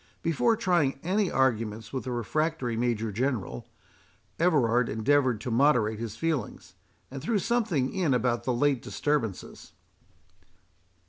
Before trying any arguments with the refractory Major General, Everard endeavoured to moderate his feelings, and threw something in about the late disturbances.